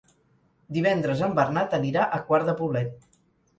Divendres en Bernat anirà a Quart de Poblet.